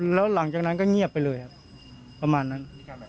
แล้วหลังจากนั้นก็เงียบไปเลยครับประมาณนั้น